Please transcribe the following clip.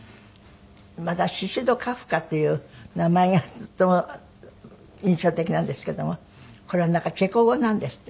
またシシド・カフカっていう名前がとても印象的なんですけどもこれはなんかチェコ語なんですって？